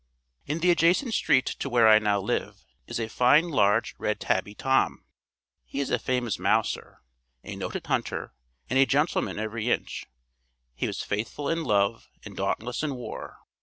In the adjacent street to where I now live, is a fine large red tabby Tom. He is a famous mouser, a noted hunter, and a gentleman every inch. He was faithful in love and dauntless in war.